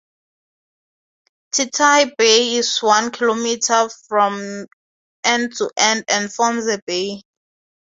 Titahi Bay is one kilometre from end to end and forms a bay.